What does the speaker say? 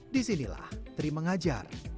disinilah terima ngajar